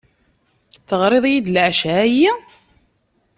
Teɣriḍ-iyi-d leɛca-ayyi?